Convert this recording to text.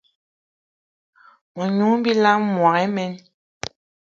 Menungi bilam, mboigi imen